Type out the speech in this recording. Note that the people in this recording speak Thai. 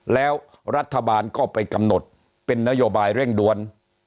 แล้วรัฐบาลก็ไปกำหนดเป็นนโยบายเร่งด่วน